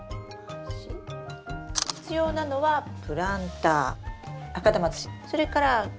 必要なのはプランター赤玉土それからキノコの菌床。